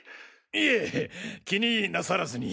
いえ気になさらずに。